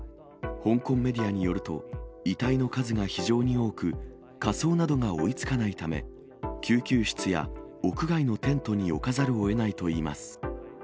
香港メディアによると、遺体の数が非常に多く、火葬などが追いつかないため、救急室や屋外のテントに置かざるをえないといいます。